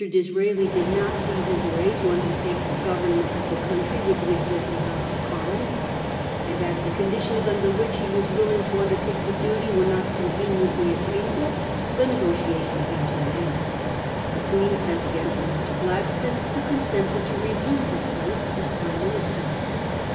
Disraeli did not see his way to undertake the go vernment of the country with the existing House of Commons ; and as the conditions under which he was willing to undertake the duty were not conveniently attainable, the negotiation came to an end. The Queen sent again for Mr. Gladstone, who consented to resume his place as Prime Minister.